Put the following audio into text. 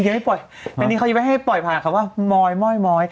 อันนี้เขายังไม่ให้ปล่อยผ่านคำว่ามอยมอยมอย